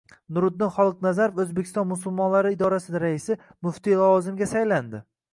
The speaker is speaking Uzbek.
Nuriddin Xoliqnazarov O‘zbekiston musulmonlari idorasi raisi, muftiy lavozimiga saylandi